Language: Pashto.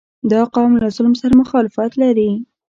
• دا قوم له ظلم سره مخالفت لري.